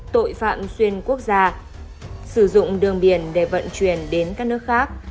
tội phạm xuyên quốc gia sử dụng đường biển để vận chuyển đến các nước khác